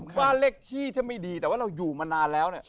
ถ้าเลขที่จะไม่ดีแต่ว่าเราอยู่มานานแล้ว